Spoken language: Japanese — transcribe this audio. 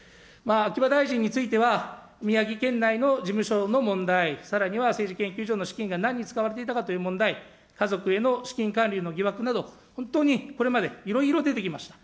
秋葉大臣については、宮城県内の事務所の問題、さらには政治研究所の資金が何に使われていたかという問題、家族への資金管理の疑惑など、本当にこれまでいろいろ出てきました。